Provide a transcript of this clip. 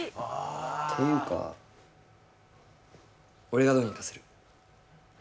ていうか、俺がどうにかする。